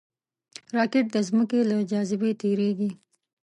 راکټ د ځمکې له جاذبې تېریږي